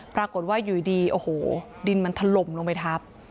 ปรากฏว่าอยู่ดีโอ้โหดินมันถล่มลงไปทับ